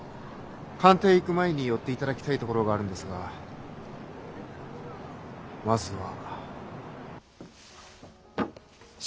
官邸へ行く前に寄っていただきたい所があるんですがまずは。